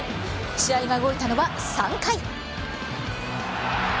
試合が動いたのは３回。